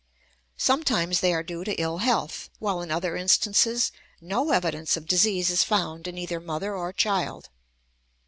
Sometimes they are due to ill health, while in other instances no evidence of disease is found in either mother or child.